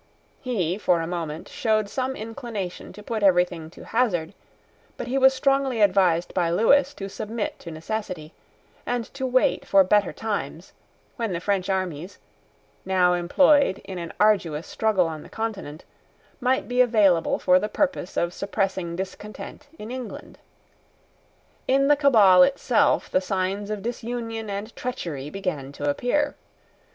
He, for a moment, showed some inclination to put everything to hazard; but he was strongly advised by Lewis to submit to necessity, and to wait for better times, when the French armies, now employed in an arduous struggle on the Continent, might be available for the purpose of suppressing discontent in England. In the Cabal itself the signs of disunion and treachery began to appear.